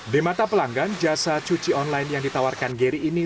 di mata pelanggan jasa cuci online yang ditawarkan geri ini